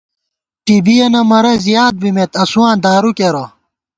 ٹِبِیَنہ مَرَض یاد بِمېت ، اسُواں دارُو کېرہ